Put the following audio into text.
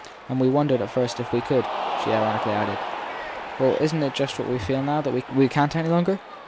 And we wondered at first if we could ! she ironically added. Well, isn t just what we feel now that we can t any longer